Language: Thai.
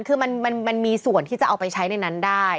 คือมันมีส่วนที่จะเอาไปใช้ในนั้นได้